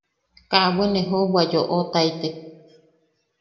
Ka bwe ne juʼubwa yoʼotaitek.